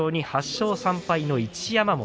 ８勝３敗の一山本。